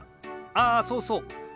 ああそうそう。